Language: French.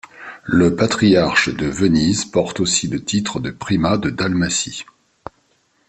Le patriarche de Venise, porte aussi le titre de primat de Dalmatie.